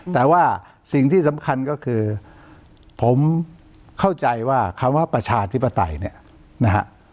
แต่ว่าสิ่งที่สำคัญก็คือผมเข้าใจว่าคำว่าประชาธิปไตยเนี่ยนะฮะ